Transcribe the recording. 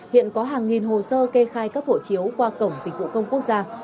hiện có hàng nghìn hồ sơ kê khai các hộ chiếu qua cổng dịch vụ công quốc gia